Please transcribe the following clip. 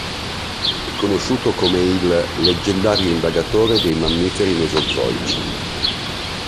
È conosciuto come il "leggendario indagatore dei mammiferi mesozoici".